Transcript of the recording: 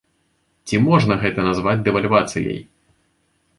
Ці можна гэта назваць дэвальвацыяй?